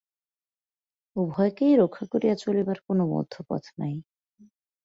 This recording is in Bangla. উভয়কেই রক্ষা করিয়া চলিবার কোনো মধ্যপথ নাই।